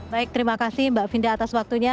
baik terima kasih mbak vinda atas waktunya